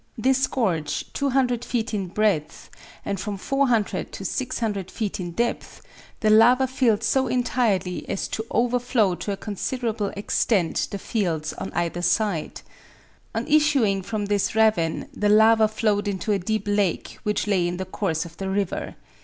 This gorge, 200 feet in breadth, and from 400 to 600 feet in depth, the lava filled so entirely as to overflow to a considerable extent the fields on either side. On issuing from this ravine, the lava flowed into a deep lake which lay in the course of the river.